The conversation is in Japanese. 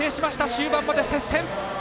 終盤まで接戦！